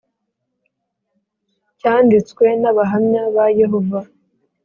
Cyanditswe n Abahamya ba Yehova